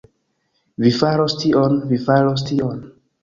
Vi faros tion... vi faros tion...